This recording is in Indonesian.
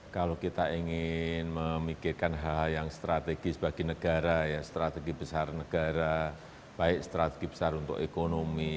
kalau kita ingin memikirkan hal hal yang strategis bagi negara ya strategi besar negara baik strategi besar untuk ekonomi